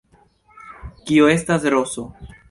Kio estas roso?